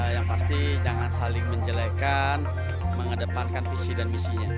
yang pasti jangan saling menjelekan mengedepankan visi dan misinya